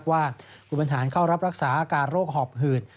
ว่าคุณบรรหารเข้ารับรักษาอาการโรคหอบหืด